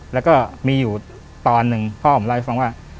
แล้วก็มีอยู่ตอนหนึ่งพ่อผมเล่าให้ฟังว่า